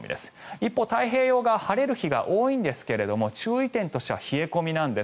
一方、太平洋側は晴れる日が多いんですが注意点としては冷え込みなんです。